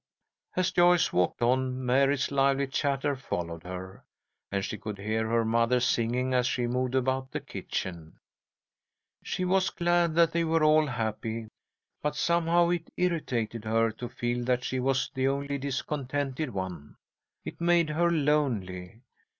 As Joyce walked on, Mary's lively chatter followed her, and she could hear her mother singing as she moved about the kitchen. She was glad that they were all happy, but somehow it irritated her to feel that she was the only discontented one. It made her lonely.